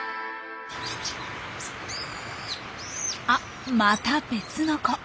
あまた別の子。